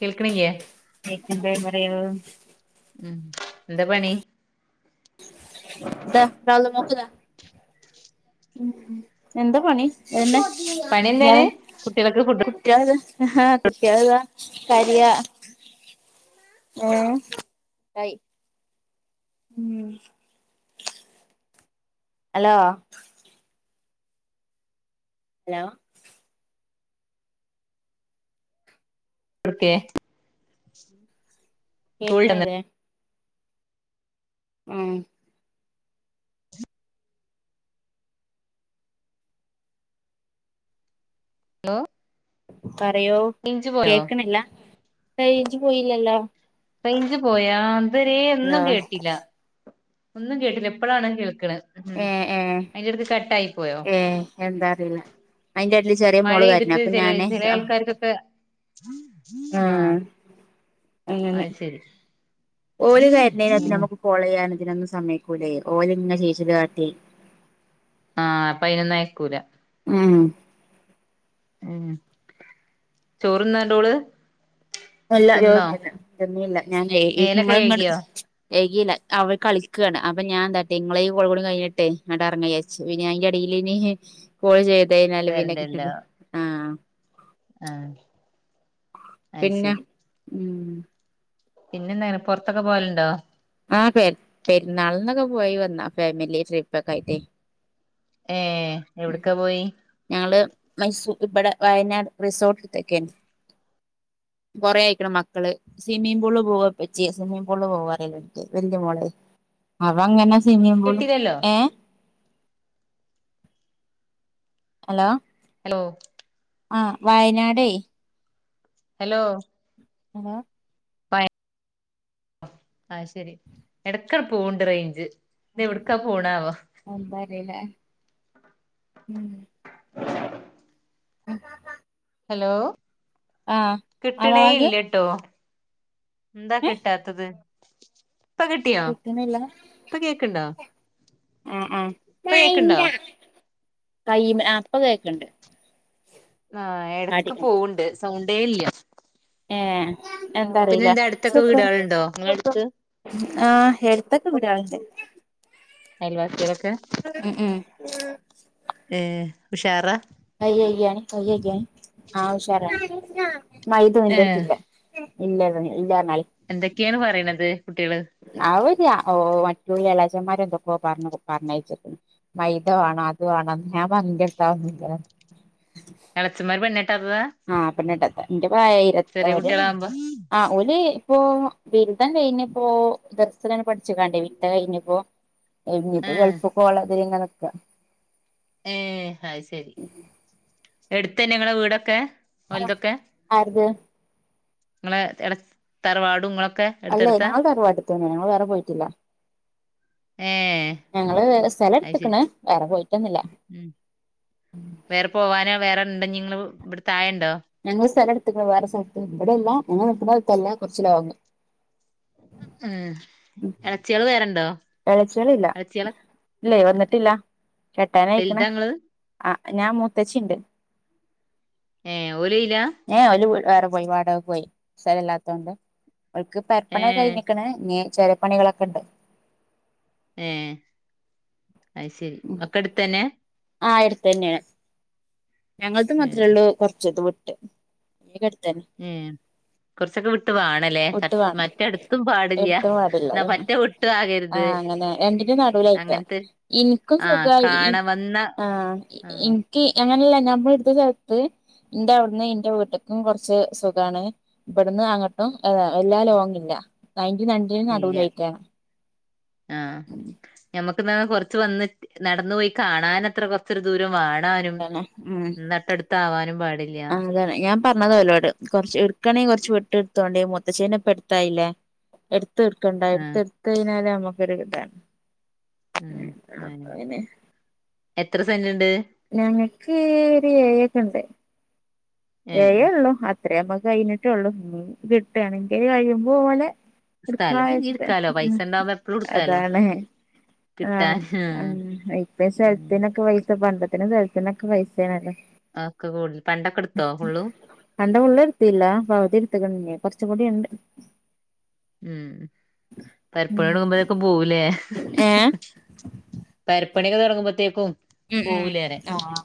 കേൾക്ക്ണില്ല്യെ അയോ ഉം എന്താ പണി ദാ നാവില മോക്കതാ ഉ എന്താ പണി എന്ന് പണി എന്താണ് ഇയാള് കുട്ടികൾക്ക് ഫുഡ് കുട്ട്യേളിത് ആഹ കുട്ട്യെളിത കരയാ ആ കയി മം ഹലോ ഹലോ കൊടുക്കേ സ്കൂളിട്ടന്നല്ലോ കേക ആഹ ഹലോ പറയോ കേക്കണില്ല കഴു പോയില്ലല്ലോ റെയിഞ്ച് പോയാ ഇതുവരെേ ഹലോ ഒന്നും കേട്ടില്ല ഒന്നും കേട്ടില്ല ഇപ്പോളാണ് കേൾക്ക് ണ് ഉം ഏ ഏ അയിന്റെടുത്ത് കട്ടായി പോയോ ഏ എന്താ അറിയില്ല അയിന്റെ എടേല് ചെറിയ മോള് കരഞ്ഞു മഴെയ്തിട്ട് അപ്പൊ ചില ഞാന് ചില ആ ആൾക്കാർക്കൊക്കെ ആ അങ്ങനെ ഓല കാരുന്നതിനകത്ത് ഉം നമുക്ക് കോള ചെയ്യാന ഇതിനൊന്നു സമയക്കൂലെ ഓല ഇങ്ങ നെ ചിച്ചീല്കാട്ടീ ആ അപെയ്നൊന്നും അയക്കൂലാ ഹും ഉ ചോറ്ന്നാണ്ടോള് ഇല്ല ചോർന്നില്ലാ ഞാൻ ഈ മേലൊക്കെ നിങ്ങള് ഇങ്ങട്ട് കഴുകിയോ കഴികില്ല അവ കളിക്കാണ് അപ്പ ഞാ എന്താട്ടീ ഇങ്ങള കോളും കൂടി കഴിഞ്ഞിട്ട് ഇങ്ങോട്ട് ഇറങ്ങാൻ വിചാരിച്ചു പിന്നെ അയിന്റെ എടില് പിന്നെ കോൾ ചെയ്ത് കഴിഞ്ഞാൽ പിനെ കിട്ടല ആ ആ അയ് പിന്നെ ശരി ഉം പിന്നെ എന്താങ്ങനെ പുറത്തൊക്കെ പോവലുണ്ടോ ആ പെ പെരുന്നാളന്നൊക്കെ പോയി വന്നാ ഫാമിലി ട്രിപ്പ് ഒക്കെ ആയിട്ട് എ എവിടക്കാ പോയി മൈസൂർ ഇപടെ വയനാട് റിസോർട്ടിൽ ഇട് തെക്കേ കൊറെേ ആയിക്കണം മക്കള് സ്വിമ്മിംഗ പൂള് പോവ ഇപ്പച്ചിയെ സ്വിമ്മിംഗ പൂള് പോവാന്ന് പറയല് വലിയ മോള് അപ്പ അങ്ങനെ സിമ്മിങ് പൂള് കേട്ടില്ലല്ലോ ഏ ഹലോ ഹലോ ആ വയനാട് ഹലോ ഹലോ ആയ് ശെരി എടക്കണ പോവ്ണ്ട് റേഞ്ച് ഇത് എവിടക്കാ പോണാവോ അല്ലല്ലേ ഉം അ ഹലോ കിട്ടണേ ആവാവാക് ഇല്ലട്ടോ എന്താ ഏ കിട്ടാത്തത് പകട്ടിയാ കിട്ടുന്നില്ല ഇപ്പ കേക്ക്ണ്ടോ ആ ആ ഇപ്പ കേക്ക്ണ്ടോ കയ ഇപ്പോ കേക്കണ്ട് ആ എടക്ക് പോവണ്ട് സൗണ്ടേ ഇല്ല ഏ എന്താ പിന്നെ അറിയില അടുത്തൊക്കെ ചപ്പ വീടാളുണ്ടോ നിങ്ങള അടുത്ത് ആ എടുത്തൊക്കെ വീടാളുണ്ട് അയൽവാസികൾ ഒക്കെ ഉ ഏ ഉഷാറാ സായി ആഹ് ഹുഷാര മൈത ഏ ഇത്തില്ല ഇല്ല ഇല്ല ങ്ങാൽ ക്കെ പറയ്ണത് അവര് ഓ മറ്റ എലാച്ചന്മാരെ എന്തൊക്കോ പറഞ്ഞ പറഞ്ഞയച്ചി മൈത വാണം അതുവാണ ഞാൻ പർഞ്ഞു ഇന്റെട്ത്ത് അതൊന്നുല്ലന്ന് എളച്ചന്മാർ പെണ്ണ് ആഹ പെണ്ണാട്ടാത്തെ ഇന്റെ പ്രായായി ഇര് ചെറിയ ഒരു കുട്ടികളാകുമ്പോ ആ ഓല് ഇപ്പൊ ബിരുദം കഴിഞ്ഞ് പ്പോ ദർസ് ലാണ്ട് പഠിച്ച്ക്കാണ്ടേ വിരുദം കഴിഞ്ഞപ്പോ കയിഞ്ഞ് ആ പ്പൊ ഗൾഫ്ക്ക് പോവാള്ളതില് ങ്ങനെ നിക്കാ ഏ ഹായ് ശരി എട് ആ ആര്ത് ഇങ്ങളെ എട തറവാടും ഇങ്ങളെ അല്ലേ ഞങ്ങൾ തറവാട്ടി തന്നെയാണ്. ഞങ്ങള് വേറെ പോയിട്ടില്ല. ഏഹ് ഞങ്ങള് സ്ഥല അത് ശരി ഇട്ത്ത്ക്ക്ണ്. വേറെ പോയിട്ടന്നില്ല. ഉം വേറെ പോവാന വേറെണ്ടഞ്ഞ്ങ്ങള് ഇവ്ടെ താ ഞങ്ങള് സ്ഥലം ഇട്ത്ത്ക്ക്ണ് വേറെ സെൽത്ത്. ഇബടെല്ല ഞങ്ങള് നിക്ക് നോട്‌ത്തല്ല. കൊർച്ച് ലോങ്ങ് ഉം എളച്ചിയള് വേറെണ്ടോ എളച്ചിയളില്ല എളച്ചിയാള് ഇല്ല വന്നിട്ടില്ല കെട്ടാനായിക്ക്ണ് വലുതാ ഇങ്ങള് ആ ഞാ മൂത്തച്ചിണ്ട്. ഏ ഓല് അയിലാ ഏ ഓല് വേറെ പോയി വാടകക്ക് പോയി സ്ഥലല്ലാത്തൊണ്ട് ഓല്ക്ക് പെര് പണി ക്കെ ഏഹ് കഴിഞ്ഞിക്ക്ണ്. ന്ന് ചെറിയപ്പണികളൊക്കെ ണ്ട് ഏ അയ് ശരി ഒക്കട്ത്തന്നെ ആഎടുത്തെന്നാണ്. ഞങ്ങള്ത് മാത്രേ ഏഹ് ഉള്ളൂ കൊർച്ച് ദൂരം വിട്ട് അടുത്തന്നെ ഏ കൊർച്ചൊക്കെ വിട്ട ട്ട് വാണല്ലേ വിട്ട് വേണം മറ്റട്ത്തും പാടില്ല എടുത്തും പാടില്ല എന്നാ പറ്റേ വിട്ടും ആകര്ത്. നടുലായിട്ക്കാൻ ഇന്ക്കും സുഖാ കാണ വന്ന ആ ആഹ് ഇന്ക് അങ്ങനല്ല ഞമ്മള്ട്ത്ത സെൽത് ഇന്റെ അവ്ടുന്ന് ഇന്റെ വീട്ട്ക്കും കൊർച്ച് സുഖാണ് ഇബട്ന്ന് അങ്ങട്ടും അതാ വല്ലാ ലോങ്ങില്ല. അയിന്റെ രണ്ടിന്റിം ഇല്ല നടൂലായിട്ടാണ്. മ് കൊർച് വന്ന് നട്ന്ന് പോയി കാണാനത്ര കൊർച്ചൊരു ദൂ വാണാനും നട്ടട്ത്താവാനും പാ ആ താണ് ഞാൻ പറഞ്ഞതോലോട് കൊർച് ഇട്ക്കാണെങ്കി കൊർച്ച് വിട്ട് ഇട്ത്തോണ്ടി മു ത്തച്ചിന്നെ ഇപ്പ എടുത്തായില്ലേ എടുത്ത് ഇട്ക്കണ്ട ആഹ് എട്ത്ത് ഇട്ത്ത് കഴിഞ്ഞാല് നമുക്കൊരു താണ് ഉം ഉം എത്ര സെന്റ് ഞങ്ങക്ക് ഒരു ഏഴ് ക്കെ ണ്ട്. ഏഹ് ഏയൊള്ളു അത്രേമ്മക്ക് കഴിഞ്ഞിട്ട് ള്ളു. ഇനി കിട്ടാണെങ്കിൽ കഴിയുമ്പോലെ. സ്ഥലം പിന്നിം ഇട്ക്കായിച്ചിട്ടാ ഇട്ക്കാലോ ഉം പൈസണ്ടാവുമ്പോ എപ്പളും ഇട്ക്കാലോ അതാണ്. ആ കിട്ടാന് ഇപ്പ ആഹ് സെൽത്തിനൊക്കെ പൈസ പണ്ടത്ത്നും സെൽത്ത്നൊ ക്കെ പൈസേണല്ലേ ആക്കെ കൂടുതൽ പണ്ടൊക്കെ ഇട് ത്തോ പണ്ടം ഫുള്ള് ഇട്ത്തീല്ലാ പൗതി ഇട് ത്ത്ക്ക്ണ് ന്നി കൊറച്ചും കൂടി ണ്ട്. ഉം പെര്പ്പണി ഉം തൊടങ്ങുമ്പോക്കും പോവൂലേ ഏഹ് പെര്പ്പണിയൊക്കെ തൊ ട്ങ്ങുമ്പത്തേക്കും ഉം ഉം ആ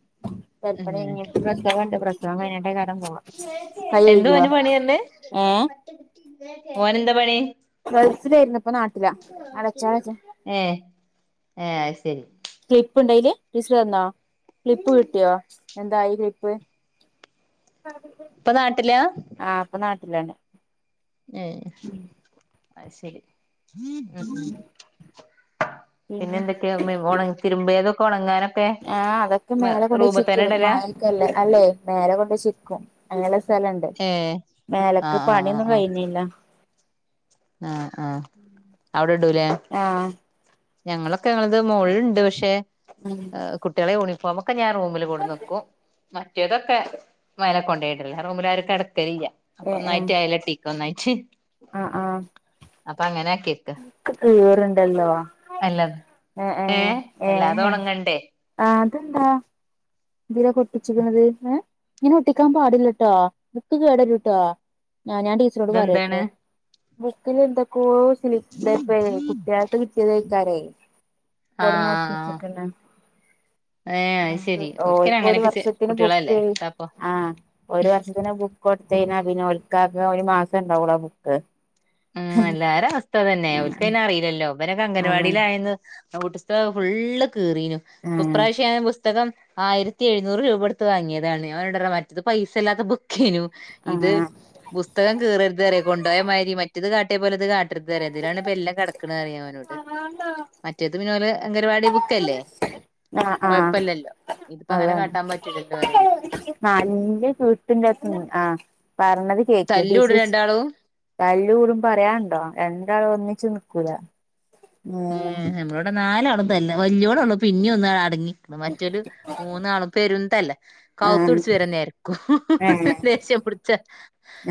[inaudible] പെര്പ്പണി കഴിഞ്ഞിട്ട് പ്രസവണ്ട്. പ്രസവം കഴിഞ്ഞിട്ടേ ക്കാരം പോവാ കൈ കൈകിയോ മോനെന്താ പണി ഗൾഫിലായിരുന്നു ഇപ്പൊ നാട്ടിലാ അടച്ചോ അടച്ചോ ഏ ഏ അയ് ശരി ക്ലിപ്പ് ഇണ്ടയ്ല് ടീച്ചർ തന്നോ ക്ലിപ്പ് കിട്ടിയോ എന്തായി ക്ലിപ്പ് [inaudible] ഇപ്പൊ നാട്ടിലാ ഇല്ലാണ് ഏഹ് അയ്ശരി പിന്നെ എന്തൊക്കെയാ ഉമ്മയും മോളും തിരുമ്പിയതോക്കെ ഉണങ്ങാന ആഹ് അതൊക്കെ മേലെ കൊണ്ടൊയ് ചിക്കിടും ഇടലാ മയക്കേല്ലേ അല്ലെ മേലെ കൊണ്ട ചിക്കും അങ്ങനെ സ്ഥലണ്ട് ഏ ആ മേലക്ക് പണിയൊന്നും കഴിഞ്ഞില്ല ആഹ് ആഹ് അവിടെ ഇടൂലേ ആഹ് ഞങ്ങളൊക്കെ ഞങ്ങളത് മോള്ല്ണ്ട് പക്ഷെ ഉം കുട്ടികളെ യൂണിഫോ ഒ ക്കെ ഞാൻ റൂമിൽ കൊട്ന്നെക്കും മറ്റേതൊക്കെ മേലേ കൊണ്ടയ്‌ടലാ റൂമിലാരു കെട ക്കലില്ല അപ്പൊ ഏഹ് ഏഹ് ഒന്നായിട്ട് ആയ്ല ടിക്കൊന്നായിട്ട് ആഹ് ആഹ് അപ്പൊ അങ്ങനെ ആക്കിക്ക് ഈറുണ്ടല്ലോ എ ഏ ഏഹ് എല്ലാതും ഏഹ് ഉണങ്ങണ്ടേ ആഹ് തെന്താ എന്തിനാപ്പം ഒട്ടിച്ച്ക്ക്ണത് ഏഹ് ഇങ്ങനെ ഒട്ടിക്കാൻ പാടില്ലട്ടോ ബുക്ക് കേടരുട്ടോ ഞ ഞാൻ ടീച്ചറോട് ഇതെന്താണ് പറയട്ടെ ബുക്കിലെന്തൊക്കൊ [unintelligible] കൊട്ന്ന് ഒട്ടിച്ചിക്ക്ണ് ഹേ അയ് ശരി ഓൽക്ക് ഒരു വർഷത്തിന് ബുക്ക് അപ്പൊ ആഹ് ഒരു വർഷത്തിന് ബുക്ക് പിന്നെ ഓൽക്കാകെ ഒരു മാസം ഉണ്ടാവുള്ളോ ആ ബുക്ക് ഉം എല്ലാരും അവസ്ഥതന്നെ ഓൽക്ക് അറിയില്ലല്ലോ ഇവലൊക്കെ അതെ അങ്കൻവാടിയിലായന്ന് ആ നോട്ട് പുസ്തകം ഫുള്ള് കീറീനു ആഹ് ഇപ്പൊപ്രാവശ്യാം പുസ്തകം ആയിരത്തി എഴുന്നൂറ് രൂപ കൊടുത്ത് വാങ്ങിയതാണ് ഞാൻ ഓനോട് പറയാ മറ്റത് പൈസ ഇല്ലാത്തെ ബുക്കെന് ഇത് ആഹ് പുസ്തകം കീറരുത് പറി കൊണ്ടോയ മാതിരി മറ്റത് കാട്ടിയ പോലെത് കാട്ട ട്ടരുതു ന്ന് പറി ഇദിലാണ് എല്ലാം കിടക്കണ പറി ഞാൻ ഓനോട് മറ്റേത് പിന്നെ. ഓലെ പരിപാടി ബുക്കല്ലേ ആഹ് ആഹ് കൊഴപ്പല്ലല്ലോ ഇതിപ്പോ അങ്ങനെ കാട്ടാൻ പറ്റില്ലല്ലോ പറി ഞാൻ നല്ലം കീട്ടും ഇന്ടെ അടുത്തുന്നു ആ പറഞ്ഞത് കേക്ക തല്ലൂടും ടീച്ചർ രണ്ടാളും തല്ല് കൂടും പറയാനുണ്ടോ രണ്ടാള ഒന്നി ച് നിക്കൂല ഉം നമ്മളളോടെ നാലാളും തല്ല വല്യോളോള്ളൂ പിന്നിം ഒന്ന് അടങ്ങി മറ്റൊല് മൂന്നാളും പെരും തല്ലാ ആഹ് കൗത്ത്ടിച്ചു വര നേരക്കും ഏഹ് ച്ച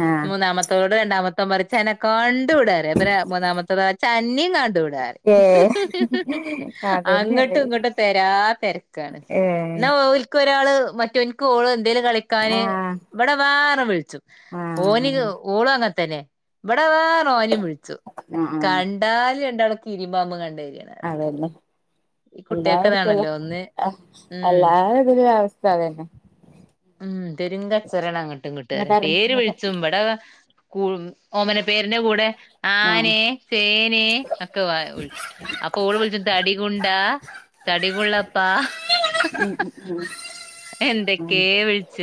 ആഹ് മൂന്നാമത്തോട് രണ്ടാമത്തെ മത്തം പറിം ച്ചന്നെ കണ്ടുട മൂന്നാമത്തതൊ ഇച്ചന്നിം കണ്ടുടറിയും ഏ ഹിഹി അതന്നെല്ലേ അങ്ങോട്ടും ഇങ്ങോട്ടും തരാ തിരക്കാണ് ഏ എന്നാ എ ഒരാള് മറ്റൊന്ക്ക് ഓള് എന്തൽ കളിക്കാന് ആഹ് ഇവിടെ വാ ന്ന് വിളിച്ചും ഓനി ആഹ് ഓള അങ്ങ തനെ ഇവിടെ വാ ന്ന് പറഞ്ഞു ഓനിം വിഴിച്ചും ആ ആ കണ്ടാല് രണ്ടാളക്കെ കീരിം പാമ്പും കണ്ടമതിരിയ അതന്നെ എല്ലാടത്തുള്ള കുട്ടികൾക്കതാണല്ലോ ഒന്ന് ഉം എല്ല അവസ്ഥ തന്നെ പേരും കച്ചറ അങ്ങോട്ടും മിങ്ങോട്ടും ഇങ്ങോട്ടറ പേര് ഇങ്ങോട്ട് വിളിച്ചും ഇപടെ ഓമന പേരിന്റെ കൂടെ ആഹ് ആനെ ചേന ഒക്കെ വിളിച്ചു അപ്പൊ ഓള് വിളിച്ചും തടികുണ്ടാ തടികുള്ള പാ എന്തൊക്ക ഉം കേ വിളിച്ച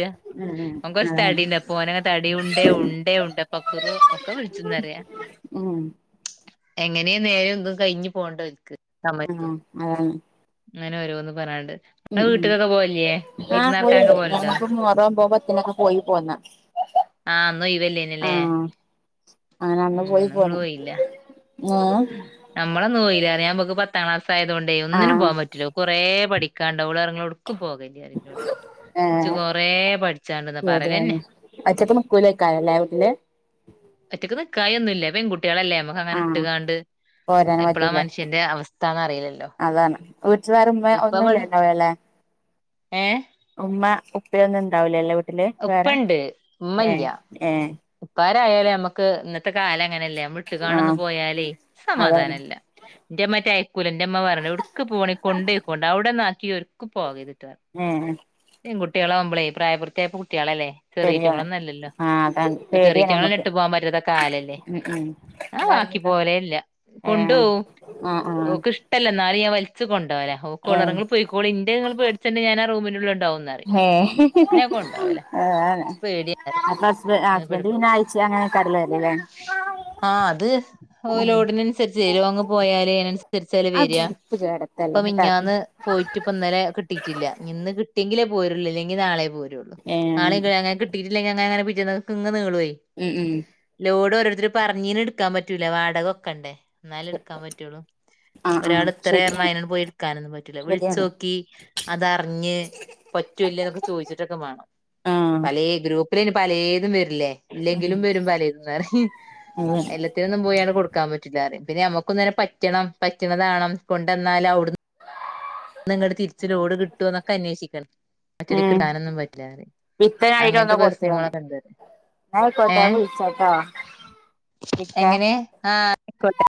ന കുറച്ച് ഉം തടിണ്ട് അപ്പോനെ തടിയുണ്ട ഉണ്ടേ ഉണ്ടപക്രു കുറ ഒക്കെ വിളിച്ചിന്നറിയ ആ എങ്ങനെയ നേരെ ഒന്നും കഴിഞ്ഞു പോണ്ട ഓൽക്ക് ഉം സമയത്തും ആഹ അങ്ങനെ ഓരോന്ന് പറഞാണ്ട് ഉം ഉം ആഹ് പോയി വിരുന്നാർക്കാനൊക്കെ പോവലുണ്ടോ ഞാനപ്പോ മുഹറം ഒമ്പതും പത്തിനും ഒക്കെ പോയി പോന്ന ആഹ് അന്ന് ഒഴിവല്ലെനിയല്ലോ ല്ലേ ആഹ് അങ്ങനെ അന്ന് പോയി പോന്ന് ഏഹ് നമ്മള് അന്ന് പോയില്ല ഇബൾക്ക് പത്താം ക്ലാസ് ആയത് കൊണ്ടേ ഒന്നിനും ആഹ് പോകാൻ പറ്റൂല കൊറേ പഠിക്ക ഓളറിഞ്ഞു ഒടുക്കും പോകല്ലി ന്ന് പറഞ്ഞ് ഇന്നോട് ച് ഏഹ് കൊറെ പഠിചാണ്ട് ന്നാ പറയലന്നെ ശരിയാണ് ഒറ്റക്ക് നിക്കൂലേക്കാരല്ലേ വീട്ടില് ഒറ്റക്ക് നിക്കായന്നുല്ല പെൺകുട്ടികളല്ലേ മ്മക്ക് അങ്ങനെ ഇട്ടുകാണ്ട് പോരൻ എപ്പളാ പറ്റില്ല മനുഷ്യന്റെ അവസ്ഥാന്ന് അറിയില്ലല്ലോ അതാണ് വീട്ടിലാരുമ്മ ഇപ്പ ഇവിടെ ഒന്നുംല്ലല്ലോ വേളെ ഏഹ് ഉമ്മ ഉപ്പയൊന്നും ഉണ്ടാവൂലല്ലേ ട്ടിൽ വേറെ ഉപ്പണ്ട് എ എ ഉപ്പാരായാലേ നമ്മുക്ക് ഇത്തെ കാല അങ്ങനല്ലേ മ്മള് ഇട്ട് കാണ്ട് ആഹ് പോയാലേ അതാണ് സമാധാനല്ല എന്റെ മ്മ കുല ന്റെമ്മ പറ എവിടുക്ക് പോകാണെങ്കിലും കൊണ്ട് പോയ്ക്കോണ്ട് അവിടെന്നാക്കിയ ഒരു പോകരുത് ഏ പെൺകുട്ടികളെകുമ്പളേ പ്രായപൂർത്തി കുട്ടികളല്ലേ ശരിയാണ് ചെറിയറ്റങ്ങളൊന്നും അല്ലല്ലോ ആഹ് അതാണ് പേടിയാണ് ഞങ്ങൾ നമ്മുക്ക് ഇട്ട് പോകാൻ പറ്റത്ത കാലല്ലേ ഉം ഉം അതാണ് ആക്കി പോവലെ ല്ല കൊണ്ട് ഏഹ് പോവും ആഹ് ആഹ് ഓക്ക് ഇഷ്ടല്ല എന്നാലും ഞാൻ വലിച്ച് കൊണ്ടോകല ഓൾക്ക് ഓള് പറി ഏഹ് ഇങ്ങള് പോയിക്കോളി ഇന്ടെ ഇങ്ങള് പേടിച്ചണ്ട ഞാൻ ആ റൂമിന്റെ ഉള്ളിൽ പറി ന്നാലും ഞാൻ കൊണ്ടോകല ഏഹ് അതാണ് ഇച്ച് പേടിയാ അപ്പൊ ഹസ്ബ ഹസ്ബൻഡ് പിന്നെ ആഴ്ച അങ്ങനെ കടല് വരല്ലേ ആഹ അത് ഉം ലോഡിനൻസരിച്ച് ലോങ്ങ്‌ പോയാല് അയ്നൻസര്ച്ചല്ലേ വെര അത് വൃത്തികേടത്തല്ല ഇപ്പോം കേട്ടാ മിഞ്ഞാന്ന് പോയിട്ട് ഇപ്പം ഇന്നലെ കിട്ടീട്ടില്ല ഇന്ന് കിട്ടി ഏഹ് നീളു ഉം ഉം ന്നാലെക്കാൻ പറ്റൊള്ളൂ ആഹ് ആഹ് ഒരാള് ഇത്രേ റഞ്ഞാല് ശരിയാണ് അയ്നങ്ങ് പോയി ഇട്ക്കാനൊന്നുല്ല ശരിയാണ് വിളിച്ചോക്കി അതർഞ്ഞ് പറ്റൊല്ലോ ന്നൊക്കെ ചോയ്ച്ചിട്ടൊക്കെ മാണം ആഹ് പലേ ഗ്രൂപ്പിലയ്ന് പലേതും വര് ല്ലേ അതെ പിന്നെ നമ്മുക്കും തന്നെ പറ്റണം പറ്റണതാണം കൊണ്ടന്നാലവ്ട്ന്ന് ട്ന്നങ്ങോട്ട് തിരിച് ലോഡ് കിട്ടെന്നൊക്കെ അന്യോഷിക്കണ് ഒറ്റടിക്ക് ഉം ഇ അങ്ങൻത്തെ പ്രസ്നങ്ങളൊക്കെണ്ട് ന്നായ്ക്കോട്ടെ ഞാവിൾച്ചാട്ടോ വിക്കാ എങ്ങനെ ആഹ് ആയിക്കോട്ടെ